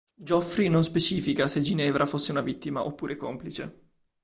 Geoffrey non specifica se Ginevra fosse sua vittima oppure complice.